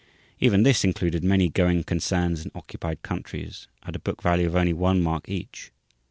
Even this included many going concerns in occupied countries at a book value of only 1 mark each.